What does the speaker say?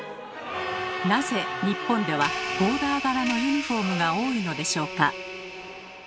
なぜ日本ではボーダー柄のユニフォームが多いのでしょうか？